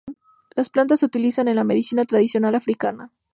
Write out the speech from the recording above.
La planta se utiliza en la medicina tradicional africana.